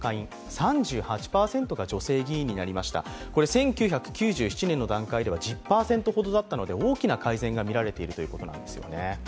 １９９７年の段階では１０％ほどだったので大きな改善がみられているということなんですね。